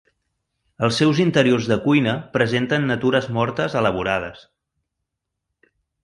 Els seus interiors de cuina presenten natures mortes elaborades.